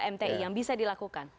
mti yang bisa dilakukan